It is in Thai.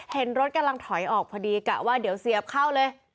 เห็นรถกำลังถอยออกพอดีกะว่าเดี๋ยวเสียบเข้าเลย